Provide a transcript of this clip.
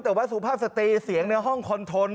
แต่ว่าสุภาพสตรีเสียงในห้องคอนโทน